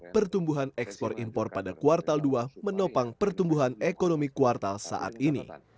pertumbuhan ekspor impor pada kuartal dua menopang pertumbuhan ekonomi kuartal saat ini